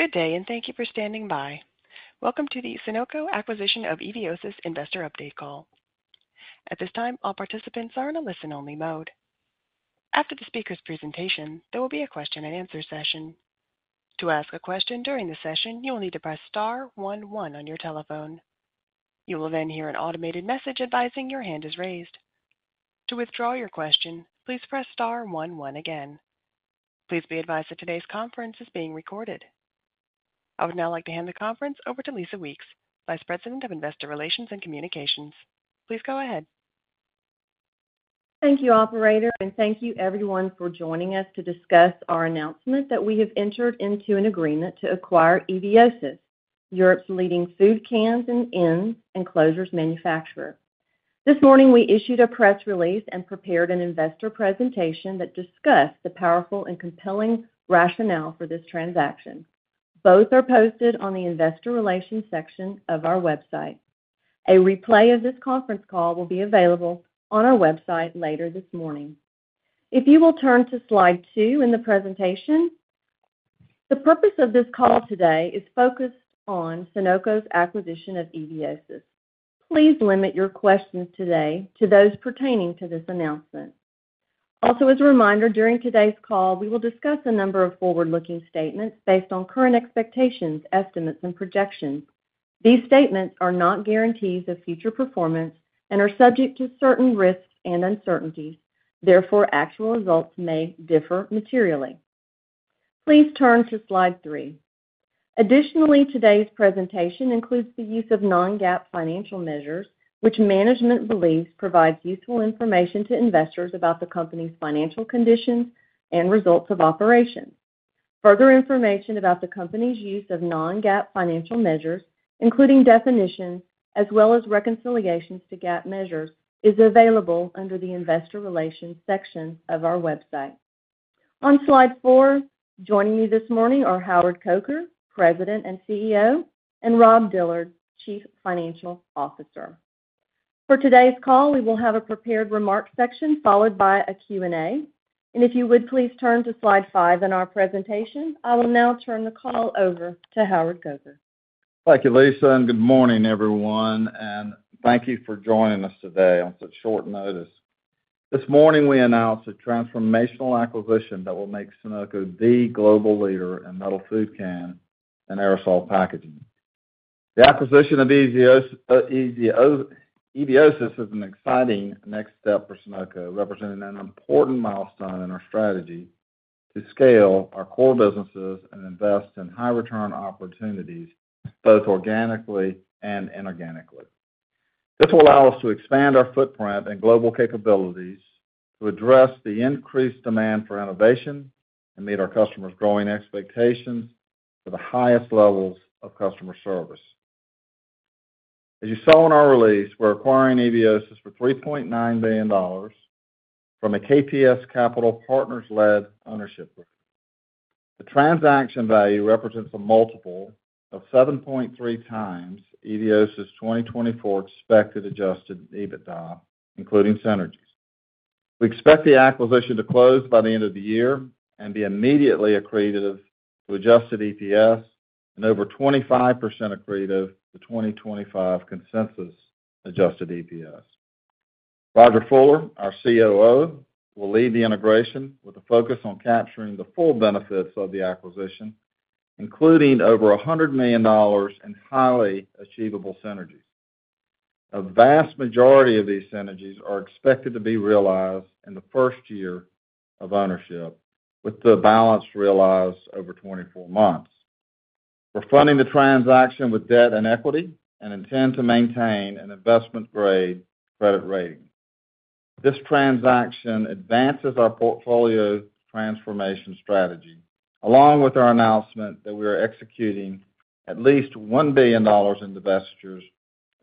Good day, and thank you for standing by. Welcome to the Sonoco Acquisition of Eviosys Investor Update Call. At this time, all participants are in a listen-only mode. After the speaker's presentation, there will be a question-and-answer session. To ask a question during the session, you will need to press star one one on your telephone. You will then hear an automated message advising your hand is raised. To withdraw your question, please press star one one again. Please be advised that today's conference is being recorded. I would now like to hand the conference over to Lisa Weeks, Vice President of Investor Relations and Communications. Please go ahead. Thank you, Operator, and thank you, everyone, for joining us to discuss our announcement that we have entered into an agreement to acquire Eviosys, Europe's leading food cans and ends and closures manufacturer. This morning, we issued a press release and prepared an investor presentation that discussed the powerful and compelling rationale for this transaction. Both are posted on the investor relations section of our website. A replay of this conference call will be available on our website later this morning. If you will turn to Slide two in the presentation. The purpose of this call today is focused on Sonoco's acquisition of Eviosys. Please limit your questions today to those pertaining to this announcement. Also, as a reminder, during today's call, we will discuss a number of forward-looking statements based on current expectations, estimates, and projections. These statements are not guarantees of future performance and are subject to certain risks and uncertainties. Therefore, actual results may differ materially. Please turn to Slide three. Additionally, today's presentation includes the use of non-GAAP financial measures, which management believes provides useful information to investors about the company's financial conditions and results of operations. Further information about the company's use of non-GAAP financial measures, including definitions as well as reconciliations to GAAP measures, is available under the investor relations section of our website. On Slide four, joining me this morning are Howard Coker, President and CEO, and Rob Dillard, Chief Financial Officer. For today's call, we will have a prepared remark section followed by a Q&A. If you would, please turn to Slide five in our presentation. I will now turn the call over to Howard Coker. Thank you, Lisa, and good morning, everyone. Thank you for joining us today on such short notice. This morning, we announced a transformational acquisition that will make Sonoco the global leader in metal food cans and aerosol packaging. The acquisition of Eviosys is an exciting next step for Sonoco, representing an important milestone in our strategy to scale our core businesses and invest in high-return opportunities, both organically and inorganically. This will allow us to expand our footprint and global capabilities to address the increased demand for innovation and meet our customers' growing expectations for the highest levels of customer service. As you saw in our release, we're acquiring Eviosys for $3.9 billion from a KPS Capital Partners-led ownership group. The transaction value represents a multiple of 7.3x Eviosys 2024 expected Adjusted EBITDA, including synergies. We expect the acquisition to close by the end of the year and be immediately accretive to Adjusted EPS and over 25% accretive to 2025 consensus Adjusted EPS. Rodger Fuller, our COO, will lead the integration with a focus on capturing the full benefits of the acquisition, including over $100 million in highly achievable synergies. A vast majority of these synergies are expected to be realized in the first year of ownership, with the balance realized over 24 months. We're funding the transaction with debt and equity and intend to maintain an investment-grade credit rating. This transaction advances our portfolio transformation strategy, along with our announcement that we are executing at least $1 billion in divestitures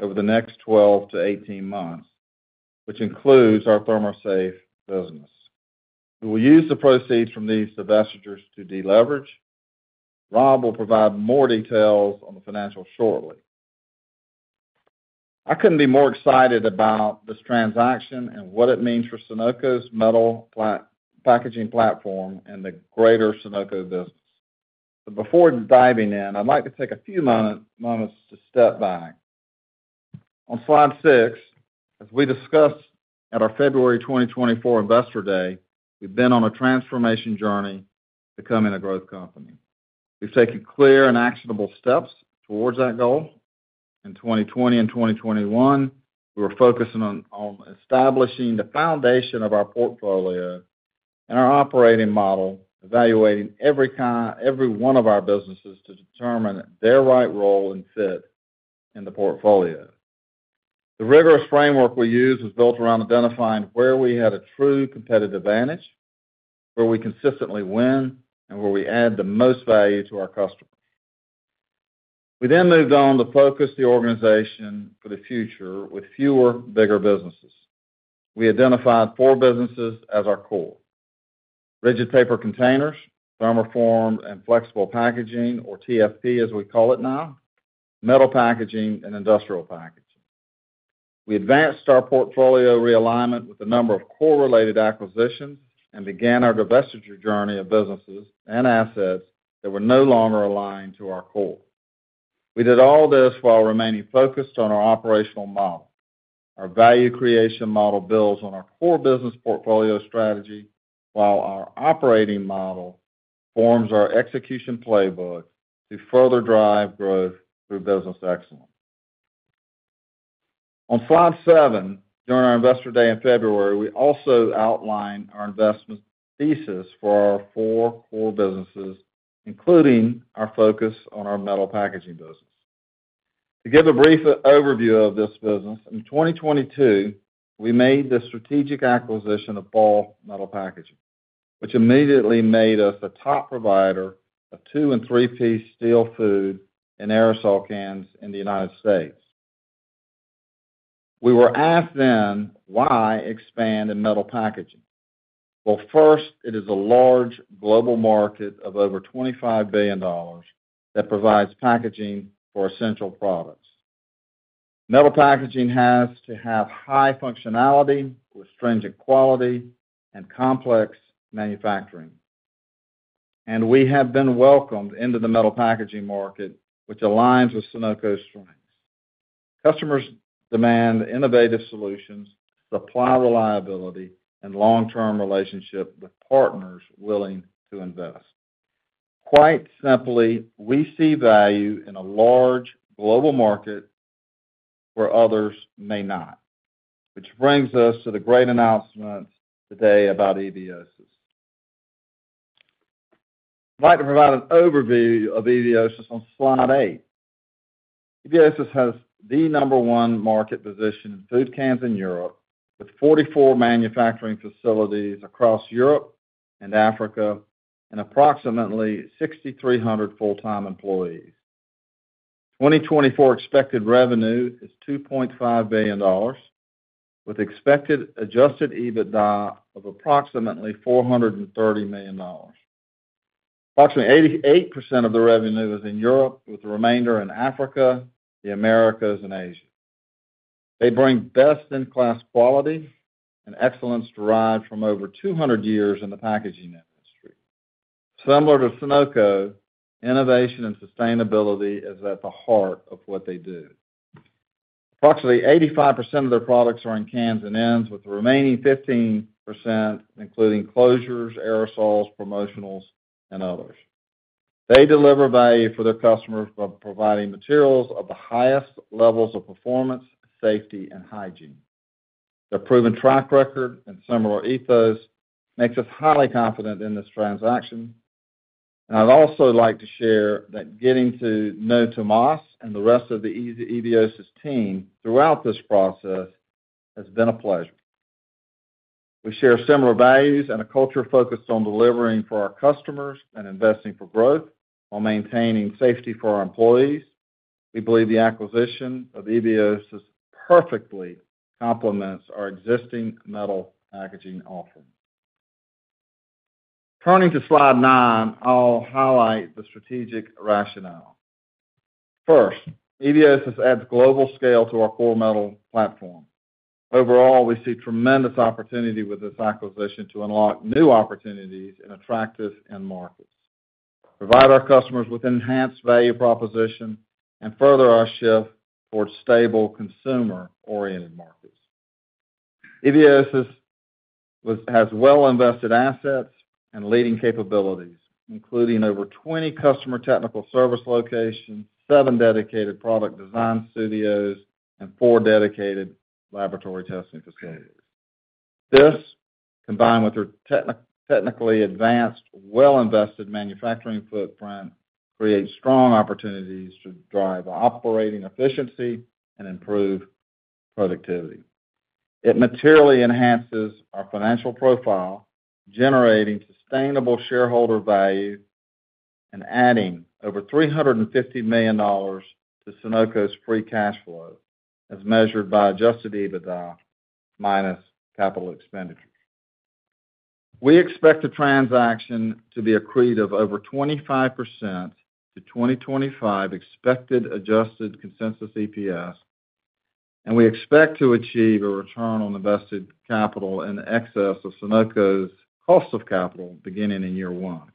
over the next 12-18 months, which includes our ThermoSafe business. We will use the proceeds from these divestitures to deleverage. Rob will provide more details on the financials shortly. I couldn't be more excited about this transaction and what it means for Sonoco's metal packaging platform and the greater Sonoco business. But before diving in, I'd like to take a few moments to step back. On Slide 6, as we discussed at our February 2024 Investor Day, we've been on a transformation journey to becoming a growth company. We've taken clear and actionable steps towards that goal. In 2020 and 2021, we were focusing on establishing the foundation of our portfolio and our operating model, evaluating every one of our businesses to determine their right role and fit in the portfolio. The rigorous framework we used was built around identifying where we had a true competitive advantage, where we consistently win, and where we add the most value to our customers. We then moved on to focus the organization for the future with fewer, bigger businesses. We identified four businesses as our core: rigid paper containers, thermoformed and flexible packaging, or TFP as we call it now, metal packaging, and industrial packaging. We advanced our portfolio realignment with a number of core-related acquisitions and began our divestiture journey of businesses and assets that were no longer aligned to our core. We did all this while remaining focused on our operational model. Our value creation model builds on our core business portfolio strategy, while our operating model forms our execution playbook to further drive growth through business excellence. On Slide seven, during our Investor Day in February, we also outlined our investment thesis for our four core businesses, including our focus on our metal packaging business. To give a brief overview of this business, in 2022, we made the strategic acquisition of Ball Metalpack, which immediately made us a top provider of two-piece and three-piece steel food and aerosol cans in the United States. We were asked then, "Why expand in metal packaging?" Well, first, it is a large global market of over $25 billion that provides packaging for essential products. Metal packaging has to have high functionality with stringent quality and complex manufacturing. And we have been welcomed into the metal packaging market, which aligns with Sonoco's strengths. Customers demand innovative solutions, supply reliability, and long-term relationships with partners willing to invest. Quite simply, we see value in a large global market where others may not, which brings us to the great announcement today about Eviosys. I'd like to provide an overview of Eviosys on Slide eight. Eviosys has the number one market position in food cans in Europe, with 44 manufacturing facilities across Europe and Africa, and approximately 6,300 full-time employees. 2024 expected revenue is $2.5 billion, with expected Adjusted EBITDA of approximately $430 million. Approximately 88% of the revenue is in Europe, with the remainder in Africa, the Americas, and Asia. They bring best-in-class quality and excellence derived from over 200 years in the packaging industry. Similar to Sonoco, innovation and sustainability is at the heart of what they do. Approximately 85% of their products are in cans and ends, with the remaining 15% including closures, aerosols, promotionals, and others. They deliver value for their customers by providing materials of the highest levels of performance, safety, and hygiene. Their proven track record and similar ethos makes us highly confident in this transaction. I'd also like to share that getting to know Tomás and the rest of the Eviosys team throughout this process has been a pleasure. We share similar values and a culture focused on delivering for our customers and investing for growth while maintaining safety for our employees. We believe the acquisition of Eviosys perfectly complements our existing metal packaging offering. Turning to Slide nine, I'll highlight the strategic rationale. First, Eviosys adds global scale to our core metal platform. Overall, we see tremendous opportunity with this acquisition to unlock new opportunities in attractive end markets, provide our customers with enhanced value proposition, and further our shift towards stable consumer-oriented markets. Eviosys has well-invested assets and leading capabilities, including over 20 customer technical service locations, seven dedicated product design studios, and four dedicated laboratory testing facilities. This, combined with their technically advanced, well-invested manufacturing footprint, creates strong opportunities to drive operating efficiency and improve productivity. It materially enhances our financial profile, generating sustainable shareholder value and adding over $350 million to Sonoco's free cash flow, as measured by Adjusted EBITDA minus capital expenditure. We expect the transaction to be accretive over 25% to 2025 expected Adjusted consensus EPS, and we expect to achieve a return on invested capital in excess of Sonoco's cost of capital beginning in year one.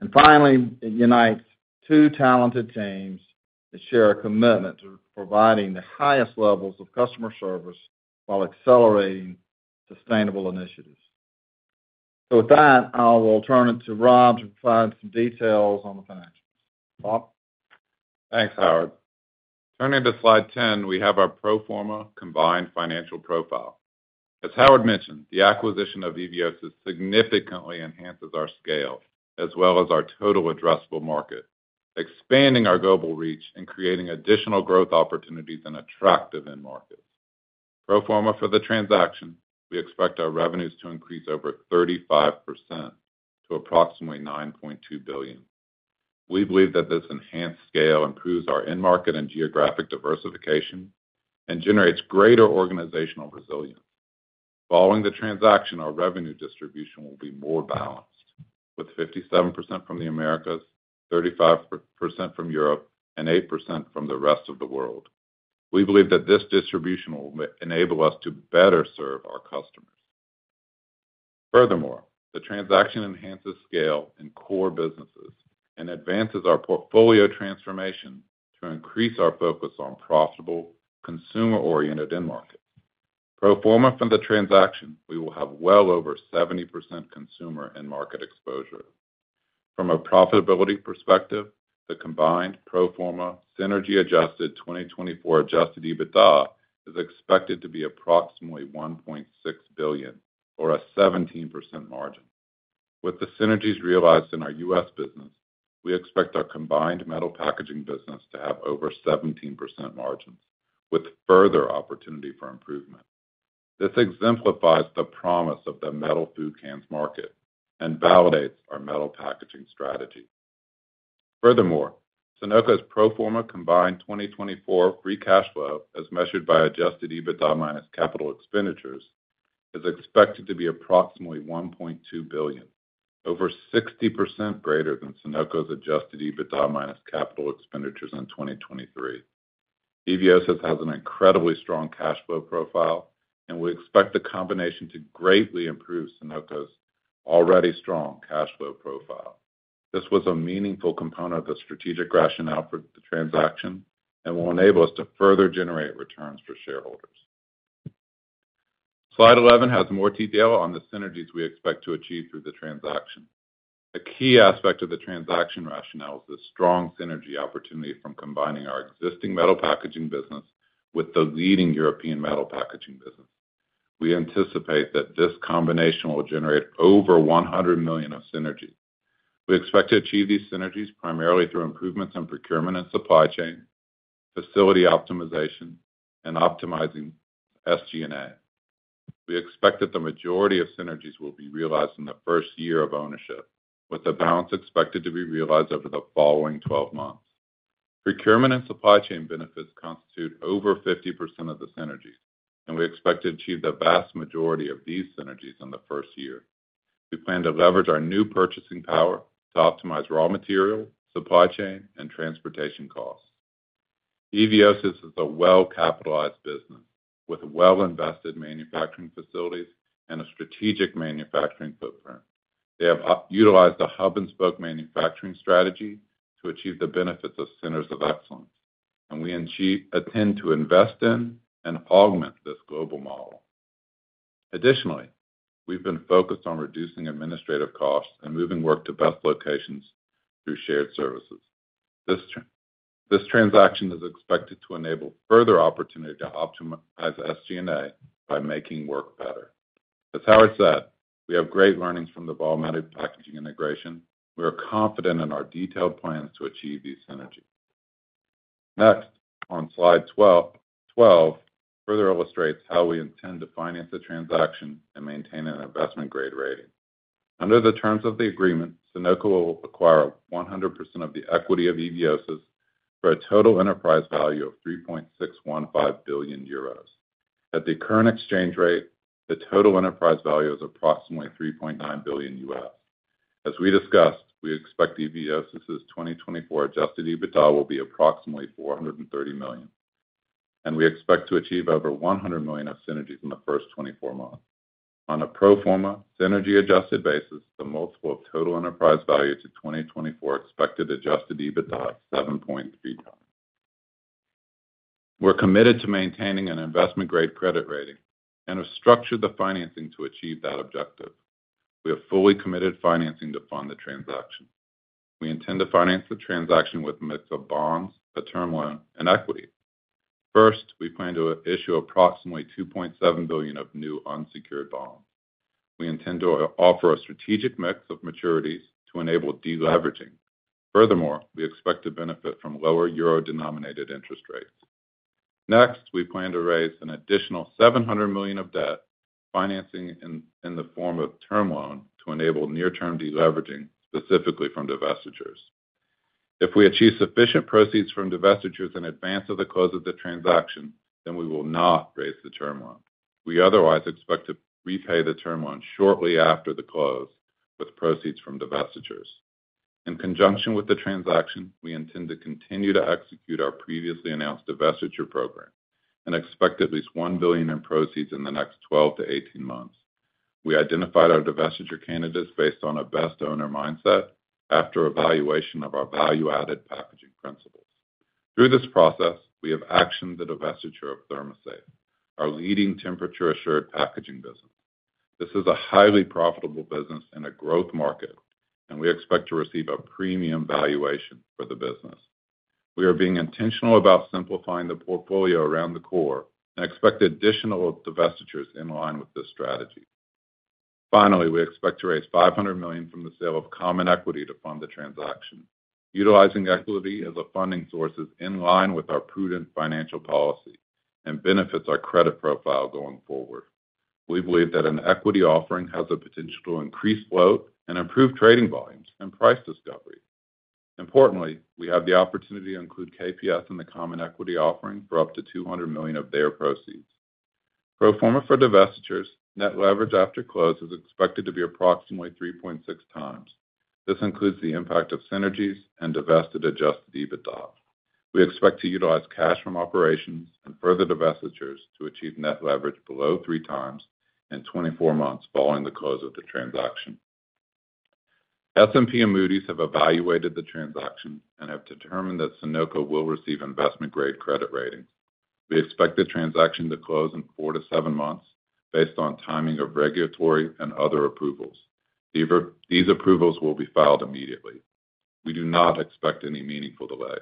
And finally, it unites two talented teams that share a commitment to providing the highest levels of customer service while accelerating sustainable initiatives. So with that, I will turn it to Rob to provide some details on the financials. Thanks, Howard. Turning to Slide 10, we have our pro forma combined financial profile. As Howard mentioned, the acquisition of Eviosys significantly enhances our scale as well as our total addressable market, expanding our global reach and creating additional growth opportunities in attractive end markets. Pro forma for the transaction, we expect our revenues to increase over 35% to approximately $9.2 billion. We believe that this enhanced scale improves our end market and geographic diversification and generates greater organizational resilience. Following the transaction, our revenue distribution will be more balanced, with 57% from the Americas, 35% from Europe, and 8% from the rest of the world. We believe that this distribution will enable us to better serve our customers. Furthermore, the transaction enhances scale in core businesses and advances our portfolio transformation to increase our focus on profitable, consumer-oriented end markets. Pro forma for the transaction, we will have well over 70% consumer and market exposure. From a profitability perspective, the combined pro forma synergy-adjusted 2024 Adjusted EBITDA is expected to be approximately $1.6 billion, or a 17% margin. With the synergies realized in our U.S. business, we expect our combined metal packaging business to have over 17% margins, with further opportunity for improvement. This exemplifies the promise of the metal food cans market and validates our metal packaging strategy. Furthermore, Sonoco's pro forma combined 2024 free cash flow, as measured by Adjusted EBITDA minus capital expenditures, is expected to be approximately $1.2 billion, over 60% greater than Sonoco's Adjusted EBITDA minus capital expenditures in 2023. Eviosys has an incredibly strong cash flow profile, and we expect the combination to greatly improve Sonoco's already strong cash flow profile. This was a meaningful component of the strategic rationale for the transaction and will enable us to further generate returns for shareholders. Slide 11 has more detail on the synergies we expect to achieve through the transaction. A key aspect of the transaction rationale is the strong synergy opportunity from combining our existing metal packaging business with the leading European metal packaging business. We anticipate that this combination will generate over $100 million of synergies. We expect to achieve these synergies primarily through improvements in procurement and supply chain, facility optimization, and optimizing SG&A. We expect that the majority of synergies will be realized in the first year of ownership, with the balance expected to be realized over the following 12 months. Procurement and supply chain benefits constitute over 50% of the synergies, and we expect to achieve the vast majority of these synergies in the first year. We plan to leverage our new purchasing power to optimize raw material, supply chain, and transportation costs. Eviosys is a well-capitalized business with well-invested manufacturing facilities and a strategic manufacturing footprint. They have utilized a hub-and-spoke manufacturing strategy to achieve the benefits of centers of excellence, and we intend to invest in and augment this global model. Additionally, we've been focused on reducing administrative costs and moving work to best locations through shared services. This transaction is expected to enable further opportunity to optimize SG&A by making work better. As Howard said, we have great learnings from the Ball Metalpack integration. We are confident in our detailed plans to achieve these synergies. Next, on Slide 12, further illustrates how we intend to finance the transaction and maintain an investment-grade rating. Under the terms of the agreement, Sonoco will acquire 100% of the equity of Eviosys for a total enterprise value of $3.615 billion. At the current exchange rate, the total enterprise value is approximately $3.9 billion. As we discussed, we expect Eviosys's 2024 Adjusted EBITDA will be approximately $430 million, and we expect to achieve over $100 million of synergies in the first 24 months. On a pro forma synergy-adjusted basis, the multiple of total enterprise value to 2024 expected Adjusted EBITDA is 7.3x. We're committed to maintaining an investment-grade credit rating and have structured the financing to achieve that objective. We have fully committed financing to fund the transaction. We intend to finance the transaction with a mix of bonds, a term loan, and equity. First, we plan to issue approximately $2.7 billion of new unsecured bonds. We intend to offer a strategic mix of maturities to enable deleveraging. Furthermore, we expect to benefit from lower euro-denominated interest rates. Next, we plan to raise an additional $700 million of debt financing in the form of term loan to enable near-term deleveraging specifically from divestitures. If we achieve sufficient proceeds from divestitures in advance of the close of the transaction, then we will not raise the term loan. We otherwise expect to repay the term loan shortly after the close with proceeds from divestitures. In conjunction with the transaction, we intend to continue to execute our previously announced divestiture program and expect at least $1 billion in proceeds in the next 12 to 18 months. We identified our divestiture candidates based on a best owner mindset after evaluation of our value-added packaging principles. Through this process, we have actioned the divestiture of ThermoSafe, our leading temperature-assured packaging business. This is a highly profitable business in a growth market, and we expect to receive a premium valuation for the business. We are being intentional about simplifying the portfolio around the core and expect additional divestitures in line with this strategy. Finally, we expect to raise $500 million from the sale of common equity to fund the transaction, utilizing equity as a funding source in line with our prudent financial policy and benefits our credit profile going forward. We believe that an equity offering has the potential to increase float and improve trading volumes and price discovery. Importantly, we have the opportunity to include KPS in the common equity offering for up to $200 million of their proceeds. Pro forma for divestitures, net leverage after close is expected to be approximately 3.6x. This includes the impact of synergies and divested Adjusted EBITDA. We expect to utilize cash from operations and further divestitures to achieve net leverage below 3x in 24 months following the close of the transaction. S&P and Moody's have evaluated the transaction and have determined that Sonoco will receive investment-grade credit ratings. We expect the transaction to close in four to seven months based on timing of regulatory and other approvals. These approvals will be filed immediately. We do not expect any meaningful delays.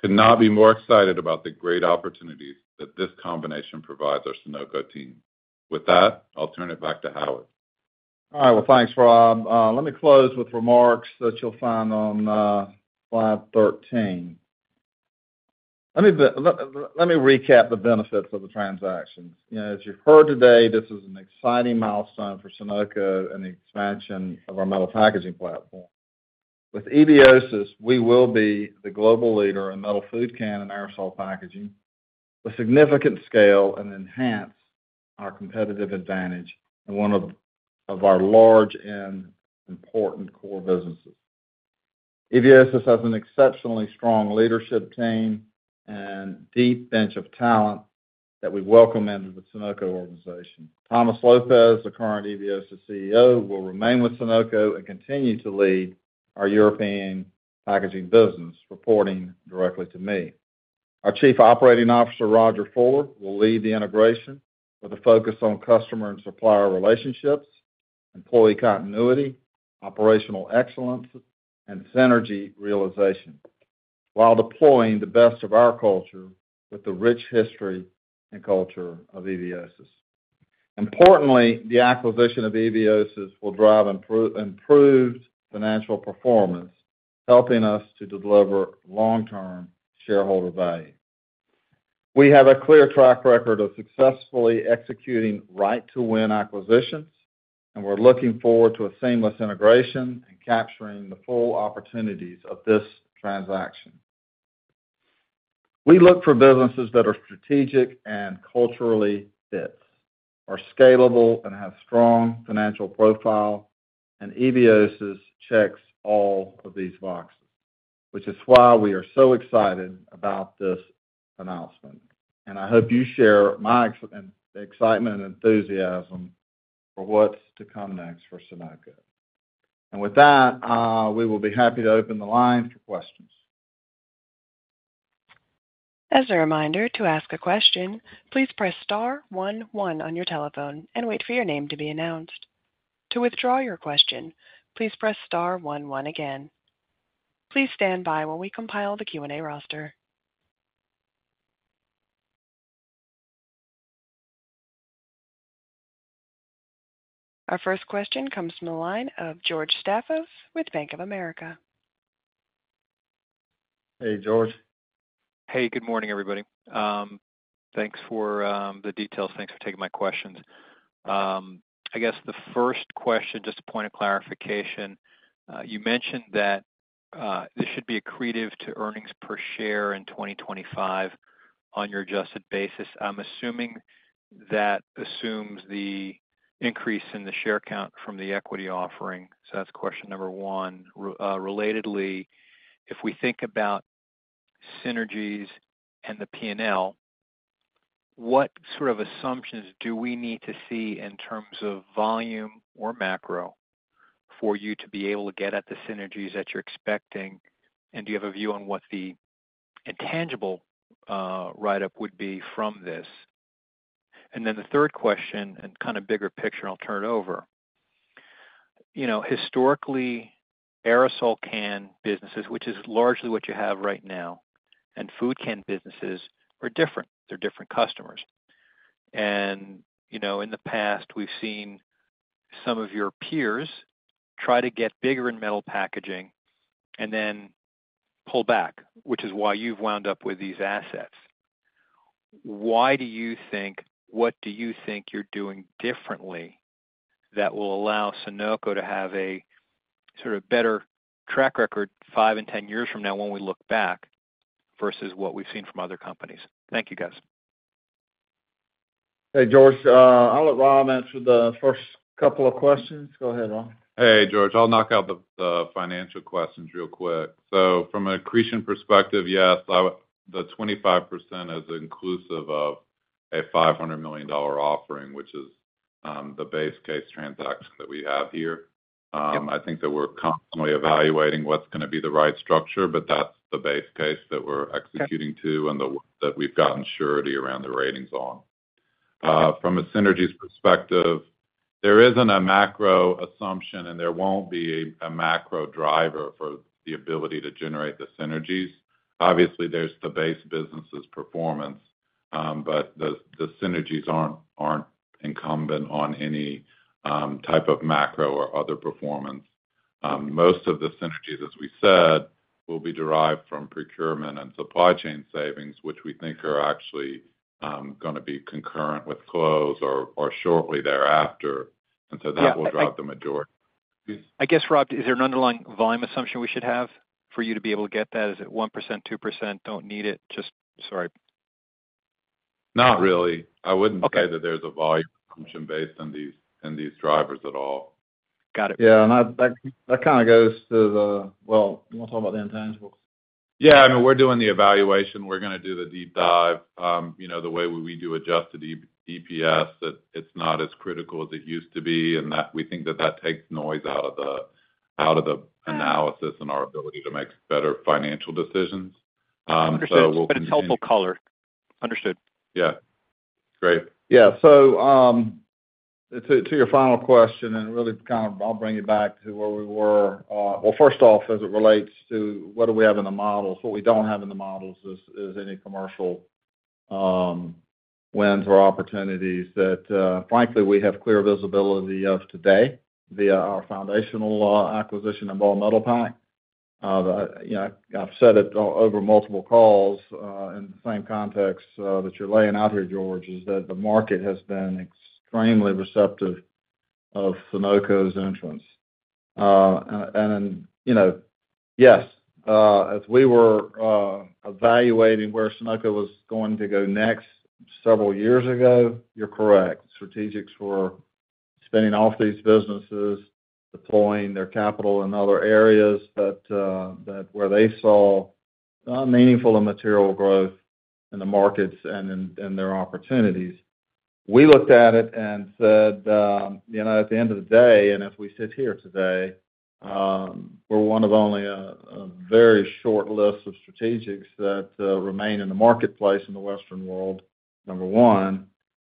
Could not be more excited about the great opportunities that this combination provides our Sonoco team. With that, I'll turn it back to Howard. All right. Well, thanks, Rob. Let me close with remarks that you'll find on Slide 13. Let me recap the benefits of the transaction. As you've heard today, this is an exciting milestone for Sonoco and the expansion of our metal packaging platform. With Eviosys, we will be the global leader in metal food can and aerosol packaging with significant scale and enhance our competitive advantage in one of our large and important core businesses. Eviosys has an exceptionally strong leadership team and deep bench of talent that we welcome into the Sonoco organization. Tomás López, the current Eviosys CEO, will remain with Sonoco and continue to lead our European packaging business, reporting directly to me. Our Chief Operating Officer, Rodger Fuller, will lead the integration with a focus on customer and supplier relationships, employee continuity, operational excellence, and synergy realization while deploying the best of our culture with the rich history and culture of Eviosys. Importantly, the acquisition of Eviosys will drive improved financial performance, helping us to deliver long-term shareholder value. We have a clear track record of successfully executing right-to-win acquisitions, and we're looking forward to a seamless integration and capturing the full opportunities of this transaction. We look for businesses that are strategic and culturally fit, are scalable, and have strong financial profile, and Eviosys checks all of these boxes, which is why we are so excited about this announcement. And I hope you share my excitement and enthusiasm for what's to come next for Sonoco. And with that, we will be happy to open the line for questions. As a reminder, to ask a question, please press star one one on your telephone and wait for your name to be announced. To withdraw your question, please press star one one again. Please stand by while we compile the Q&A roster. Our first question comes from the line of George Staphos with Bank of America. Hey, George. Hey, good morning, everybody. Thanks for the details. Thanks for taking my questions. I guess the first question, just a point of clarification, you mentioned that there should be an accretion to earnings per share in 2025 on your adjusted basis. I'm assuming that assumes the increase in the share count from the equity offering. So that's question number one. Relatedly, if we think about synergies and the P&L, what sort of assumptions do we need to see in terms of volume or macro for you to be able to get at the synergies that you're expecting? And do you have a view on what the intangible write-up would be from this? And then the third question and kind of bigger picture, and I'll turn it over. Historically, aerosol can businesses, which is largely what you have right now, and food can businesses are different. They're different customers. In the past, we've seen some of your peers try to get bigger in metal packaging and then pull back, which is why you've wound up with these assets. Why do you think, what do you think you're doing differently that will allow Sonoco to have a sort of better track record five and 10 years from now when we look back versus what we've seen from other companies? Thank you, guys. Hey, George. I'll let Rob answer the first couple of questions. Go ahead, Rob. Hey, George. I'll knock out the financial questions real quick. So from an accretion perspective, yes, the 25% is inclusive of a $500 million offering, which is the base case transaction that we have here. I think that we're constantly evaluating what's going to be the right structure, but that's the base case that we're executing to and the work that we've gotten surety around the ratings on. From a synergies perspective, there isn't a macro assumption, and there won't be a macro driver for the ability to generate the synergies. Obviously, there's the base business's performance, but the synergies aren't incumbent on any type of macro or other performance. Most of the synergies, as we said, will be derived from procurement and supply chain savings, which we think are actually going to be concurrent with close or shortly thereafter. And so that will drive the majority. I guess, Rob, is there an underlying volume assumption we should have for you to be able to get that? Is it 1%, 2%? Don't need it? Just sorry. Not really. I wouldn't say that there's a volume assumption based on these drivers at all. Got it. Yeah. That kind of goes to the, well, you want to talk about the intangibles? Yeah. I mean, we're doing the evaluation. We're going to do the deep dive the way we do Adjusted EPS, that it's not as critical as it used to be, and that we think that that takes noise out of the analysis and our ability to make better financial decisions. Understood. It's a helpful color. Understood. Yeah. Great. Yeah. So to your final question, and really kind of I'll bring you back to where we were. Well, first off, as it relates to what do we have in the models? What we don't have in the models is any commercial wins or opportunities that, frankly, we have clear visibility of today via our foundational acquisition of Ball Metalpack. I've said it over multiple calls in the same context that you're laying out here, George, is that the market has been extremely receptive of Sonoco's entrance. And yes, as we were evaluating where Sonoco was going to go next several years ago, you're correct. Strategics were spinning off these businesses, deploying their capital in other areas where they saw meaningful and material growth in the markets and in their opportunities. We looked at it and said, at the end of the day, and as we sit here today, we're one of only a very short list of strategics that remain in the marketplace in the Western world, number one.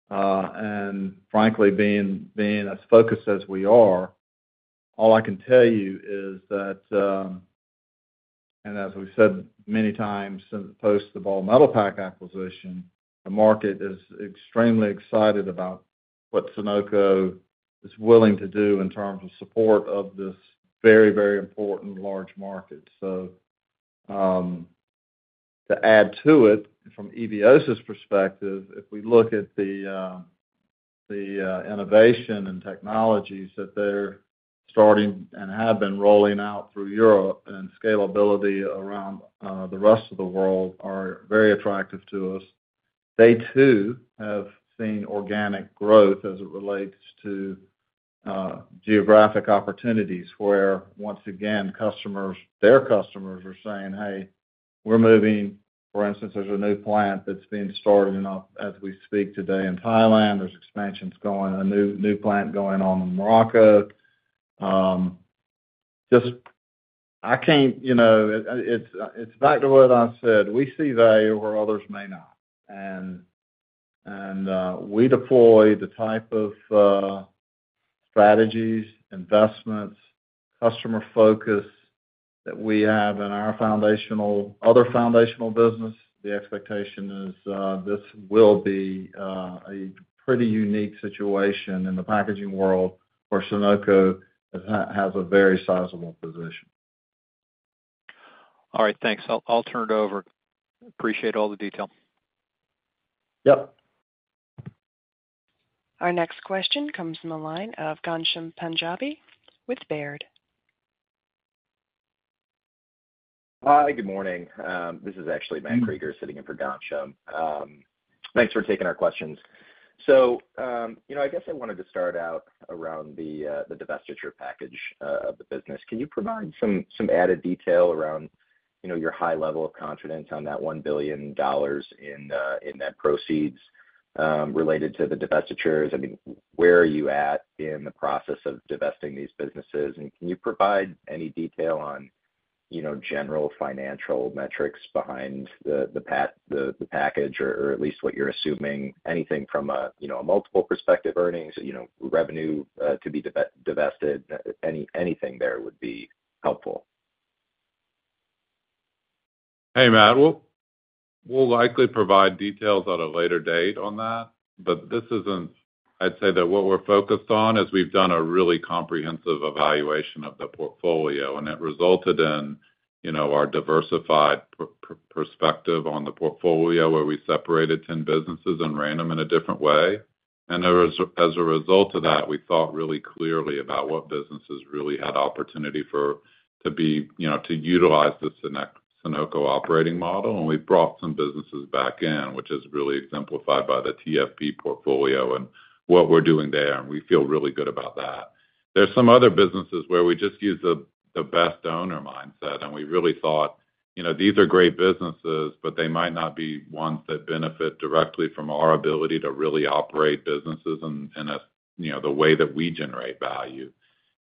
And frankly, being as focused as we are, all I can tell you is that, and as we've said many times since post the Ball Metalpack acquisition, the market is extremely excited about what Sonoco is willing to do in terms of support of this very, very important large market. So to add to it, from Eviosys' perspective, if we look at the innovation and technologies that they're starting and have been rolling out through Europe and scalability around the rest of the world, are very attractive to us. They too have seen organic growth as it relates to geographic opportunities where, once again, their customers are saying, "Hey, we're moving." For instance, there's a new plant that's being started as we speak today in Thailand. There's expansions going, a new plant going on in Morocco. It's back to what I said. We see value where others may not. And we deploy the type of strategies, investments, customer focus that we have in our other foundational business. The expectation is this will be a pretty unique situation in the packaging world where Sonoco has a very sizable position. All right. Thanks. I'll turn it over. Appreciate all the detail. Yep. Our next question comes from the line of Ghansham Panjabi with Baird. Hi. Good morning. This is Matthew Krueger sitting in for Ghansham. Thanks for taking our questions. I guess I wanted to start out around the divestiture package of the business. Can you provide some added detail around your high level of confidence on that $1 billion in that proceeds related to the divestitures? I mean, where are you at in the process of divesting these businesses? And can you provide any detail on general financial metrics behind the package, or at least what you're assuming? Anything from a multiple perspective, earnings, revenue to be divested, anything there would be helpful. Hey, Matt. We'll likely provide details at a later date on that. But this isn't, I'd say, that what we're focused on is we've done a really comprehensive evaluation of the portfolio, and it resulted in our diversified perspective on the portfolio where we separated 10 businesses and ran them in a different way. As a result of that, we thought really clearly about what businesses really had opportunity to utilize the Sonoco operating model. We've brought some businesses back in, which is really exemplified by the TFP portfolio and what we're doing there. We feel really good about that. There's some other businesses where we just use the best owner mindset, and we really thought these are great businesses, but they might not be ones that benefit directly from our ability to really operate businesses in the way that we generate value.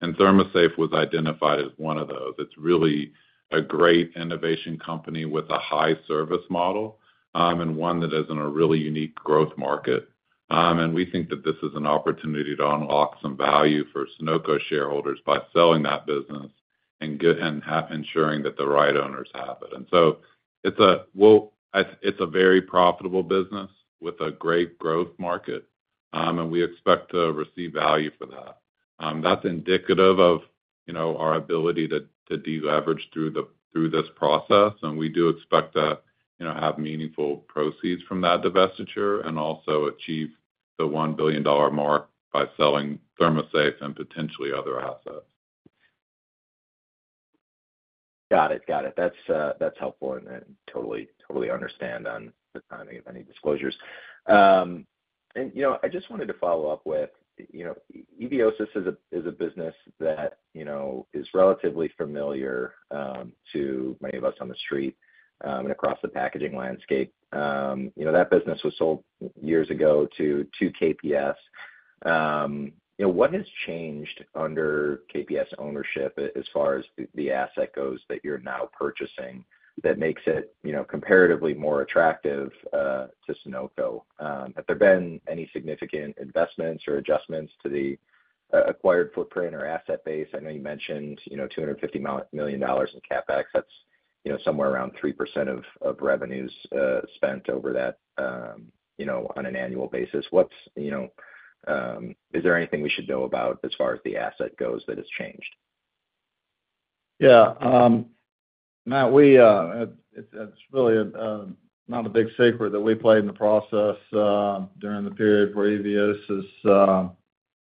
ThermoSafe was identified as one of those. It's really a great innovation company with a high service model and one that is in a really unique growth market. We think that this is an opportunity to unlock some value for Sonoco shareholders by selling that business and ensuring that the right owners have it. So it's a very profitable business with a great growth market, and we expect to receive value for that. That's indicative of our ability to deleverage through this process. We do expect to have meaningful proceeds from that divestiture and also achieve the $1 billion mark by selling ThermoSafe and potentially other assets. Got it. Got it. That's helpful. I totally understand on the timing of any disclosures. I just wanted to follow up. Eviosys is a business that is relatively familiar to many of us on the street and across the packaging landscape. That business was sold years ago to KPS. What has changed under KPS ownership as far as the asset goes that you're now purchasing that makes it comparatively more attractive to Sonoco? Have there been any significant investments or adjustments to the acquired footprint or asset base? I know you mentioned $250 million in CapEx. That's somewhere around 3% of revenues spent over that on an annual basis. Is there anything we should know about as far as the asset goes that has changed? Yeah. Matt, it's really not a big secret that we played in the process during the period where Eviosys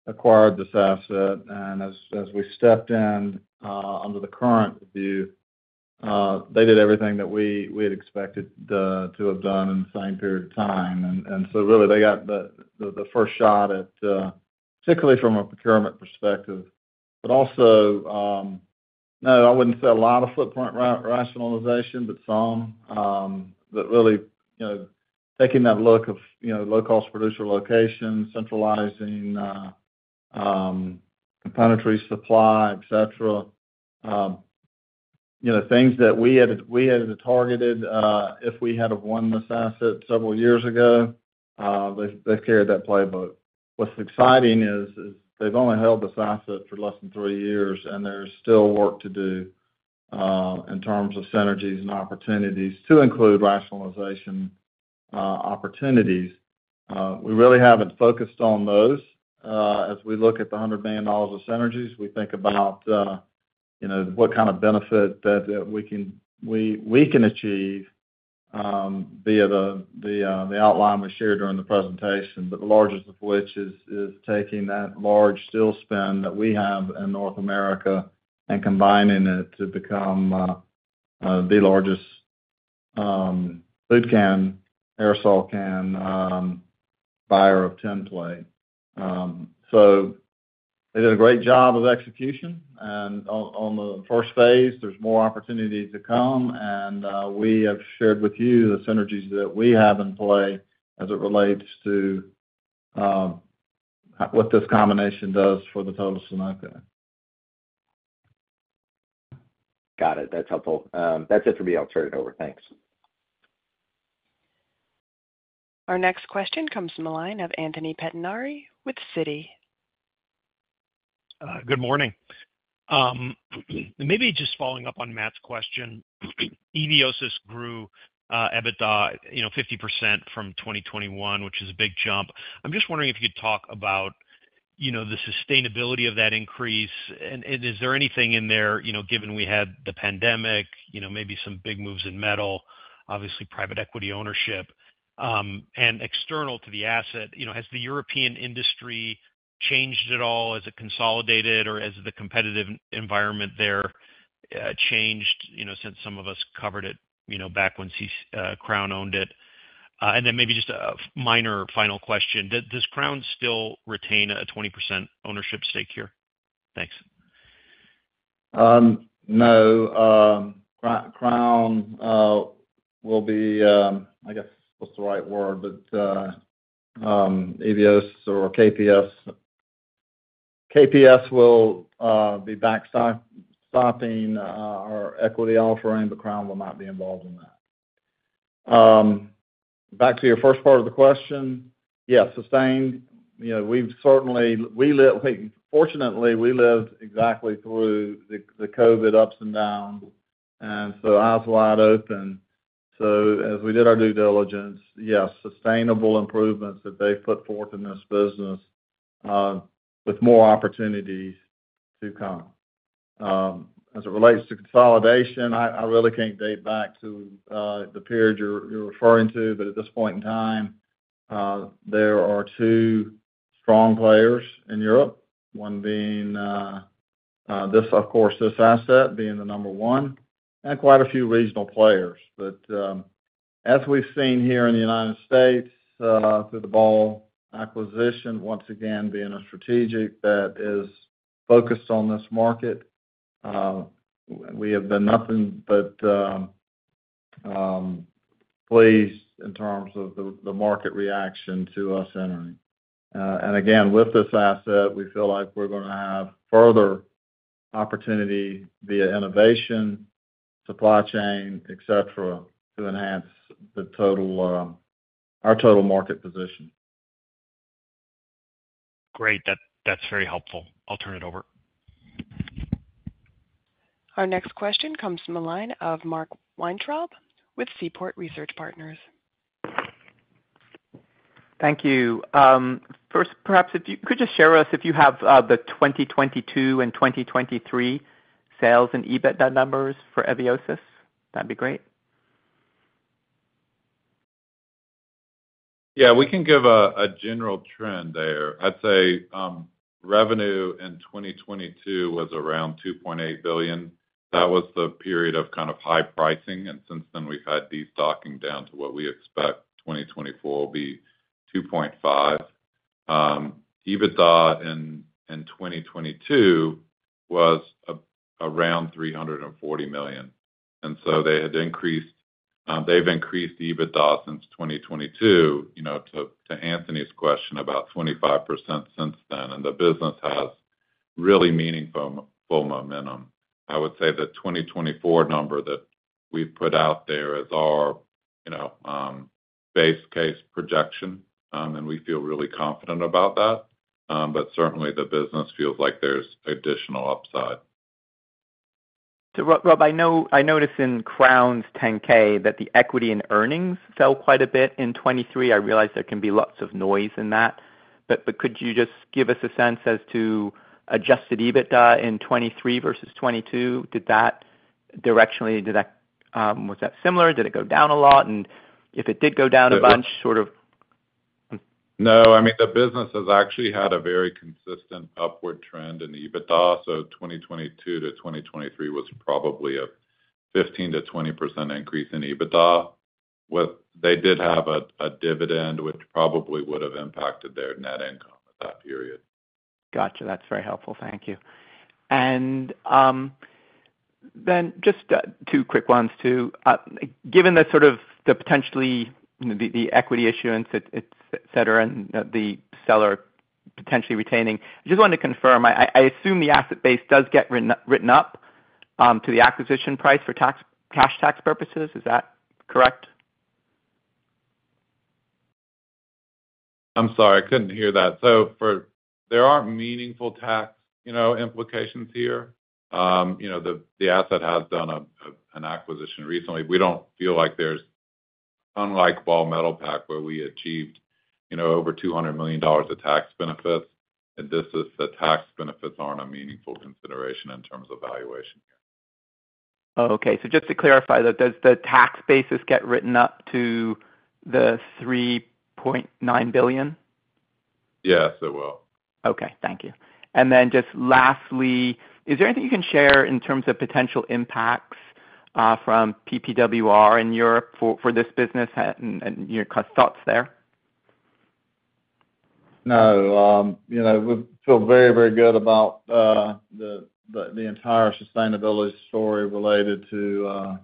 acquired this asset. And as we stepped in under the current view, they did everything that we had expected to have done in the same period of time. And so really, they got the first shot at particularly from a procurement perspective. But also, no, I wouldn't say a lot of footprint rationalization, but some. But really, taking that look of low-cost producer location, centralizing componentry supply, etc., things that we had targeted if we had won this asset several years ago, they've carried that playbook. What's exciting is they've only held this asset for less than three years, and there's still work to do in terms of synergies and opportunities to include rationalization opportunities. We really haven't focused on those. As we look at the $100 million of synergies, we think about what kind of benefit that we can achieve via the outline we shared during the presentation, but the largest of which is taking that large steel spend that we have in North America and combining it to become the largest food can, aerosol can buyer of tinplate. So they did a great job of execution. And on the first phase, there's more opportunities to come. And we have shared with you the synergies that we have in play as it relates to what this combination does for the total Sonoco. Got it. That's helpful. That's it for me. I'll turn it over. Thanks. Our next question comes from the line of Anthony Pettinari with Citi. Good morning. Maybe just following up on Matt's question, Eviosys grew EBITDA 50% from 2021, which is a big jump. I'm just wondering if you could talk about the sustainability of that increase. And is there anything in there, given we had the pandemic, maybe some big moves in metal, obviously private equity ownership, and external to the asset? Has the European industry changed at all? Has it consolidated, or has the competitive environment there changed since some of us covered it back when Crown owned it? And then maybe just a minor final question. Does Crown still retain a 20% ownership stake here? Thanks. No. Crown will be, I guess, what's the right word, but Eviosys or KPS will be backstopping our equity offering, but Crown will not be involved in that. Back to your first part of the question. Yes, sustained. Fortunately, we lived exactly through the COVID ups and downs, and so eyes wide open. So as we did our due diligence, yes, sustainable improvements that they've put forth in this business with more opportunities to come. As it relates to consolidation, I really can't date back to the period you're referring to, but at this point in time, there are two strong players in Europe, one being, of course, this asset being the number one, and quite a few regional players. But as we've seen here in the United States through the Ball acquisition, once again, being a strategic that is focused on this market, we have been nothing but pleased in terms of the market reaction to us entering. And again, with this asset, we feel like we're going to have further opportunity via innovation, supply chain, etc., to enhance our total market position. Great. That's very helpful. I'll turn it over. Our next question comes from the line of Mark Weintraub with Seaport Research Partners. Thank you. First, perhaps if you could just share with us if you have the 2022 and 2023 sales and EBITDA numbers for Eviosys. That'd be great. Yeah. We can give a general trend there. I'd say revenue in 2022 was around 2.8 billion. That was the period of kind of high pricing. And since then, we've had de-stocking down to what we expect 2024 will be 2.5 billion. EBITDA in 2022 was around 340 million. And so they have increased EBITDA since 2022 to Anthony's question about 25% since then, and the business has really meaningful momentum. I would say the 2024 number that we've put out there is our base case projection, and we feel really confident about that. But certainly, the business feels like there's additional upside. So, Rob, I noticed in Crown's 10-K that the equity and earnings fell quite a bit in 2023. I realize there can be lots of noise in that. But could you just give us a sense as to Adjusted EBITDA in 2023 versus 2022? Did that directionally, was that similar? Did it go down a lot? And if it did go down a bunch, sort of. No. I mean, the business has actually had a very consistent upward trend in EBITDA. So 2022 to 2023 was probably a 15%-20% increase in EBITDA. They did have a dividend, which probably would have impacted their net income at that period. Gotcha. That's very helpful. Thank you. And then just two quick ones too. Given that sort of the potentially the equity issuance, etc., and the seller potentially retaining, I just wanted to confirm. I assume the asset base does get written up to the acquisition price for cash tax purposes. Is that correct? I'm sorry. I couldn't hear that. So there aren't meaningful tax implications here. The asset has done an acquisition recently. We don't feel like there's, unlike Ball Metalpack, where we achieved over $200 million of tax benefits. And this is, the tax benefits aren't a meaningful consideration in terms of valuation here. Okay. So just to clarify, does the tax basis get written up to the $3.9 billion? Yes, it will. Okay. Thank you. And then just lastly, is there anything you can share in terms of potential impacts from PPWR in Europe for this business and your thoughts there? No. We feel very, very good about the entire sustainability story related to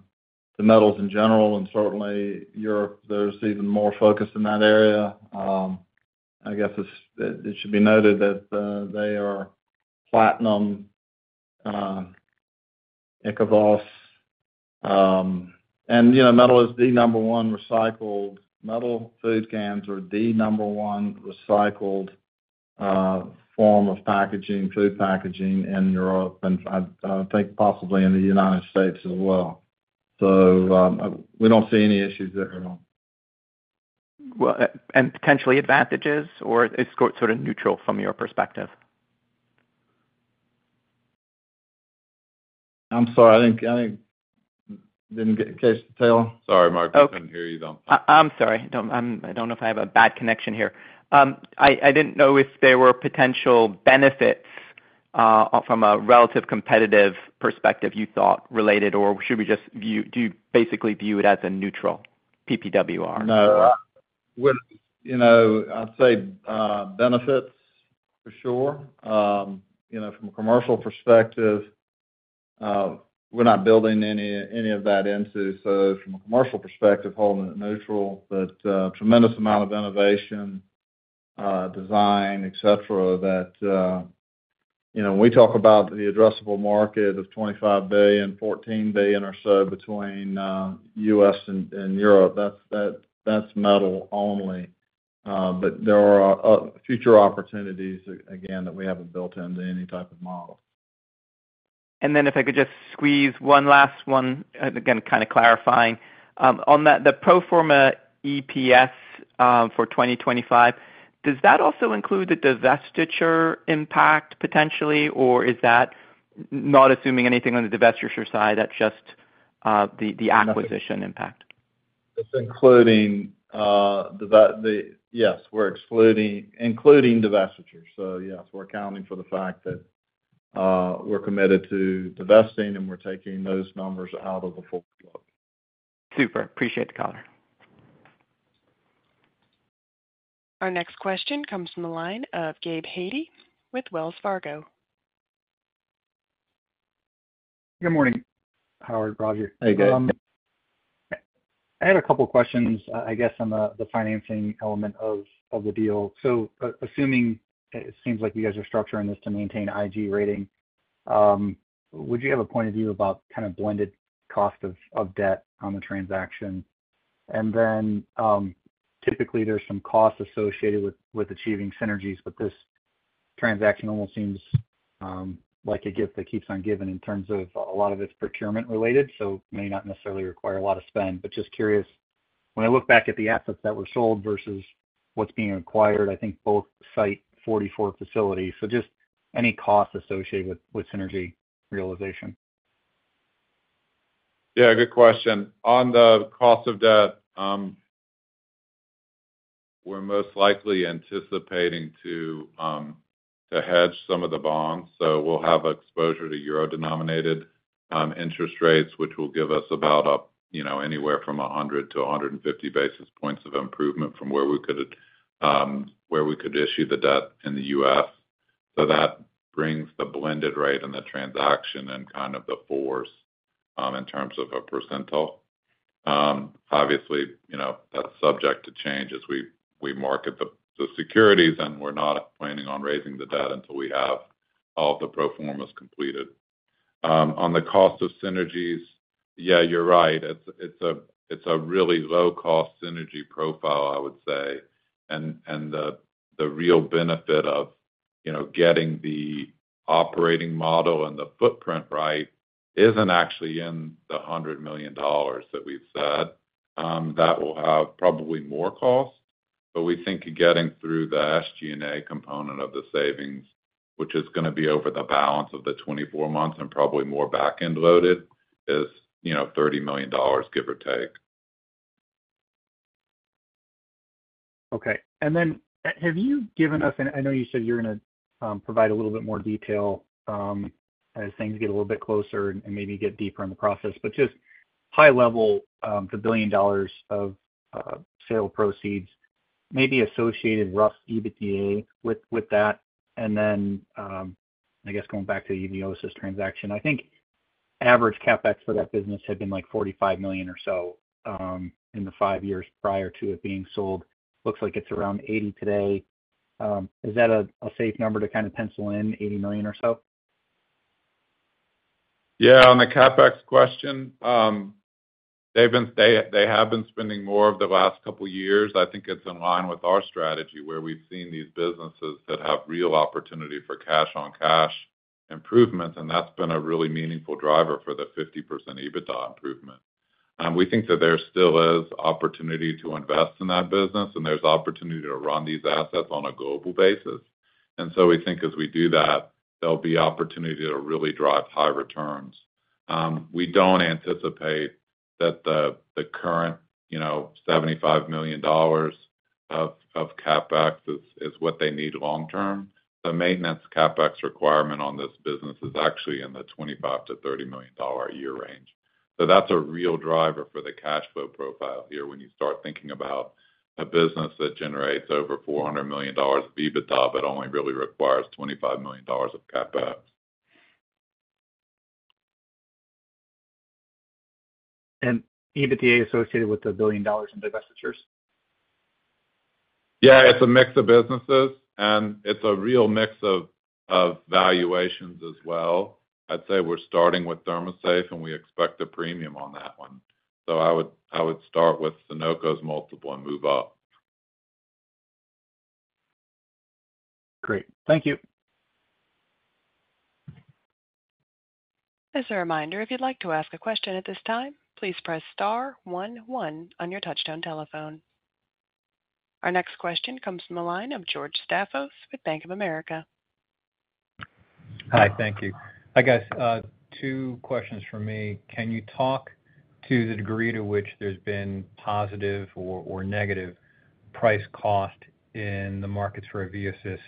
the metals in general. And certainly, Europe, there's even more focus in that area. I guess it should be noted that they are Platinum, Eviosys. And metal is the number one recycled metal. Food cans are the number one recycled form of packaging, food packaging in Europe, and I think possibly in the United States as well. So we don't see any issues there. Potentially advantages, or it's sort of neutral from your perspective? I'm sorry. I think I didn't get the case detail. Sorry, Mark. I couldn't hear you. I'm sorry. I don't know if I have a bad connection here. I didn't know if there were potential benefits from a relative competitive perspective you thought related, or should we just basically view it as a neutral PPWR? No. I'd say benefits for sure. From a commercial perspective, we're not building any of that into. So from a commercial perspective, holding it neutral, but tremendous amount of innovation, design, etc., that when we talk about the addressable market of $25 billion, $14 billion or so between U.S. and Europe, that's metal only. But there are future opportunities, again, that we haven't built into any type of model. And then if I could just squeeze one last one, again, kind of clarifying. On the pro forma EPS for 2025, does that also include the divestiture impact potentially, or is that not assuming anything on the divestiture side? That's just the acquisition impact. Yes. We're excluding divestiture. So yes, we're accounting for the fact that we're committed to divesting, and we're taking those numbers out of the pro forma. Super. Appreciate the color. Our next question comes from the line of Gabe Hajde with Wells Fargo. Good morning. Howard, Roger. Hey, Gabe. I had a couple of questions, I guess, on the financing element of the deal. So assuming it seems like you guys are structuring this to maintain IG rating, would you have a point of view about kind of blended cost of debt on the transaction? And then typically, there's some cost associated with achieving synergies, but this transaction almost seems like a gift that keeps on giving in terms of a lot of its procurement-related, so may not necessarily require a lot of spend. But just curious, when I look back at the assets that were sold versus what's being acquired, I think both site 44 facilities. So just any cost associated with synergy realization. Yeah. Good question. On the cost of debt, we're most likely anticipating to hedge some of the bonds. So we'll have exposure to euro-denominated interest rates, which will give us about anywhere from 100-150 basis points of improvement from where we could issue the debt in the U.S. So that brings the blended rate and the transaction and kind of the force in terms of a percentile. Obviously, that's subject to change as we market the securities, and we're not planning on raising the debt until we have all the pro formas completed. On the cost of synergies, yeah, you're right. It's a really low-cost synergy profile, I would say. And the real benefit of getting the operating model and the footprint right isn't actually in the $100 million that we've said. That will have probably more cost. We think getting through the SG&A component of the savings, which is going to be over the balance of the 24 months and probably more back-end loaded, is $30 million, give or take. Okay. And then have you given us and I know you said you're going to provide a little bit more detail as things get a little bit closer and maybe get deeper in the process. But just high-level, the $1 billion of sale proceeds, maybe associated rough EBITDA with that. And then I guess going back to Eviosys transaction, I think average CapEx for that business had been like $45 million or so in the five years prior to it being sold. Looks like it's around $80 million today. Is that a safe number to kind of pencil in, $80 million or so? Yeah. On the CapEx question, they have been spending more of the last couple of years. I think it's in line with our strategy where we've seen these businesses that have real opportunity for cash-on-cash improvements, and that's been a really meaningful driver for the 50% EBITDA improvement. We think that there still is opportunity to invest in that business, and there's opportunity to run these assets on a global basis. And so we think as we do that, there'll be opportunity to really drive high returns. We don't anticipate that the current $75 million of CapEx is what they need long-term. The maintenance CapEx requirement on this business is actually in the $25 million-$30 million a year range. So that's a real driver for the cash flow profile here when you start thinking about a business that generates over $400 million of EBITDA but only really requires $25 million of CapEx. EBITDA associated with the $1 billion in divestitures? Yeah. It's a mix of businesses, and it's a real mix of valuations as well. I'd say we're starting with ThermoSafe, and we expect a premium on that one. So I would start with Sonoco's multiple and move up. Great. Thank you. As a reminder, if you'd like to ask a question at this time, please press star 11 on your touch-tone telephone. Our next question comes from the line of George Staphos with Bank of America. Hi. Thank you. I guess two questions for me. Can you talk to the degree to which there's been positive or negative price-cost in the markets for Eviosys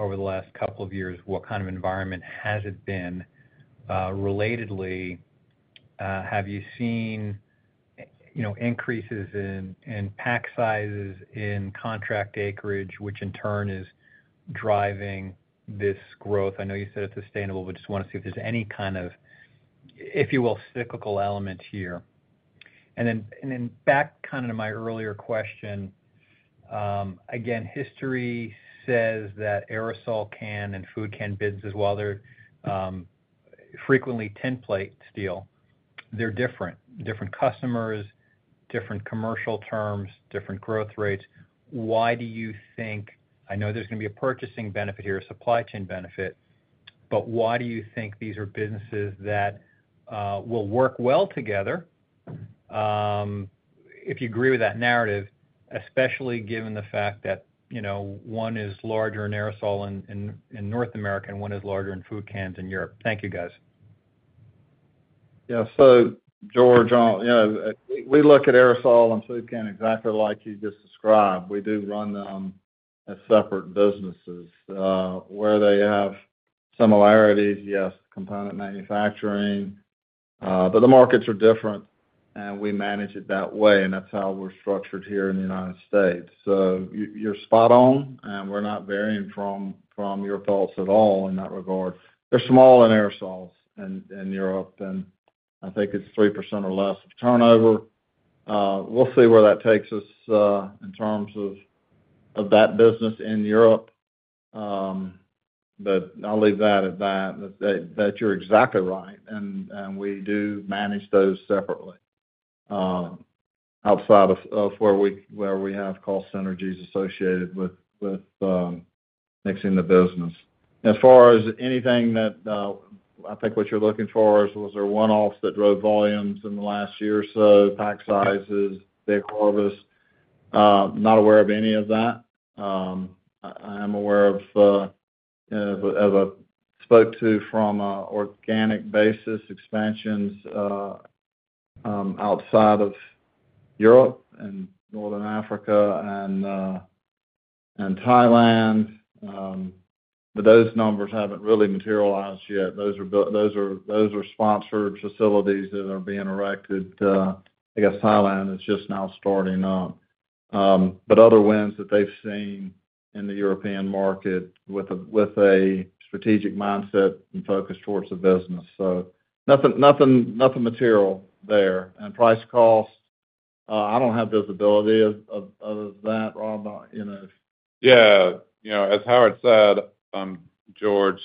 over the last couple of years? What kind of environment has it been? Relatedly, have you seen increases in pack sizes in contract acreage, which in turn is driving this growth? I know you said it's sustainable, but just want to see if there's any kind of, if you will, cyclical element here. And then back kind of to my earlier question, again, history says that aerosol can and food can businesses, while they're frequently tinplate steel, they're different. Different customers, different commercial terms, different growth rates. Why do you think I know there's going to be a purchasing benefit here, a supply chain benefit, but why do you think these are businesses that will work well together if you agree with that narrative, especially given the fact that one is larger in aerosol in North America and one is larger in food cans in Europe? Thank you, guys. Yeah. So George, we look at aerosol and food can exactly like you just described. We do run them as separate businesses where they have similarities, yes, component manufacturing, but the markets are different, and we manage it that way. And that's how we're structured here in the United States. So you're spot on, and we're not varying from your thoughts at all in that regard. They're small in aerosols in Europe, and I think it's 3% or less of turnover. We'll see where that takes us in terms of that business in Europe. But I'll leave that at that. That you're exactly right. And we do manage those separately outside of where we have cost synergies associated with mixing the business. As far as anything that I think what you're looking for is, was there one-offs that drove volumes in the last year or so, pack sizes, big harvest? Not aware of any of that. I am aware of as I spoke to from organic basis expansions outside of Europe and Northern Africa and Thailand. But those numbers haven't really materialized yet. Those are sponsored facilities that are being erected. I guess Thailand is just now starting up. But other wins that they've seen in the European market with a strategic mindset and focus towards the business. So nothing material there. And price-cost, I don't have visibility of that, Rob. Yeah. As Howard said, George,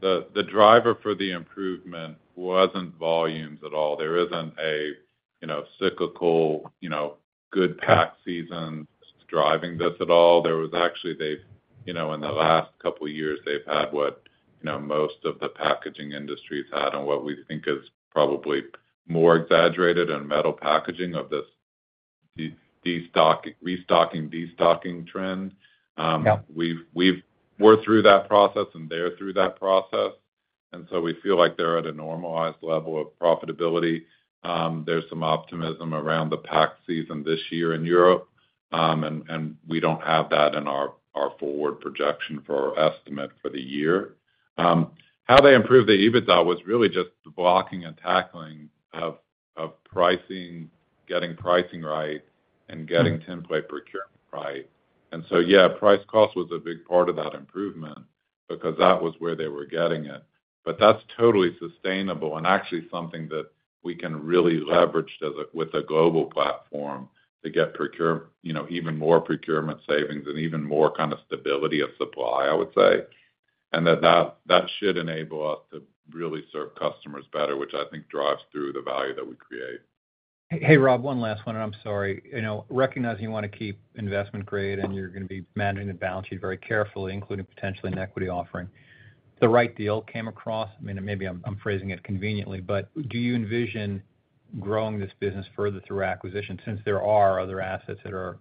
the driver for the improvement wasn't volumes at all. There isn't a cyclical good pack season driving this at all. There was actually, in the last couple of years, they've had what most of the packaging industries had and what we think is probably more exaggerated and metal packaging of this restocking, destocking trend. We're through that process, and they're through that process. And so we feel like they're at a normalized level of profitability. There's some optimism around the pack season this year in Europe, and we don't have that in our forward projection for our estimate for the year. How they improved the EBITDA was really just the blocking and tackling of pricing, getting pricing right, and getting tinplate procurement right. And so, yeah, price-cost was a big part of that improvement because that was where they were getting it. That's totally sustainable and actually something that we can really leverage with a global platform to get even more procurement savings and even more kind of stability of supply, I would say. That should enable us to really serve customers better, which I think drives through the value that we create. Hey, Rob, one last one, and I'm sorry. Recognizing you want to keep investment grade, and you're going to be managing the balance sheet very carefully, including potentially an equity offering. The right deal came across. I mean, maybe I'm phrasing it conveniently, but do you envision growing this business further through acquisition since there are other assets that are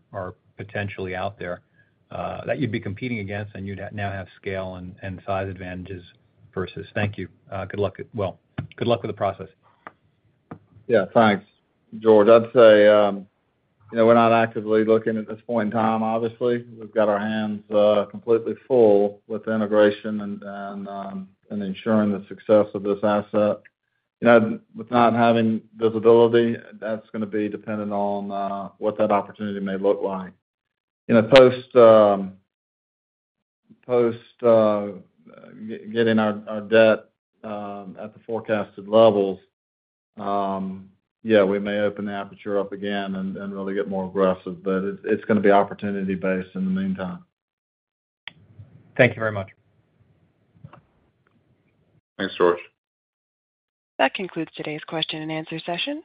potentially out there that you'd be competing against, and you'd now have scale and size advantages versus? Thank you. Good luck with the process. Yeah. Thanks, George. I'd say we're not actively looking at this point in time, obviously. We've got our hands completely full with integration and ensuring the success of this asset. With not having visibility, that's going to be dependent on what that opportunity may look like. Post getting our debt at the forecasted levels, yeah, we may open the aperture up again and really get more aggressive. But it's going to be opportunity-based in the meantime. Thank you very much. Thanks, George. That concludes today's question and answer session.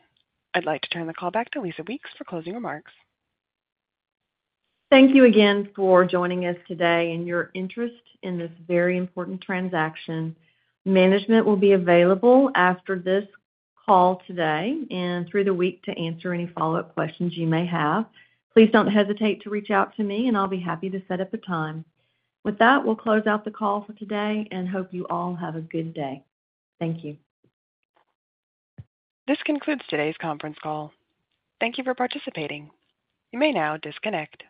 I'd like to turn the call back to Lisa Weeks for closing remarks. Thank you again for joining us today and your interest in this very important transaction. Management will be available after this call today and through the week to answer any follow-up questions you may have. Please don't hesitate to reach out to me, and I'll be happy to set up a time. With that, we'll close out the call for today and hope you all have a good day. Thank you. This concludes today's conference call. Thank you for participating. You may now disconnect.